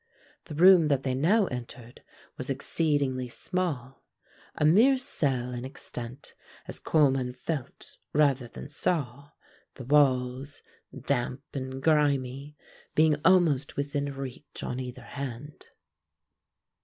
The room that they now entered was exceedingly small a mere cell in extent, as Coleman felt rather than saw, the walls, damp and grimy, being almost within reach on either hand.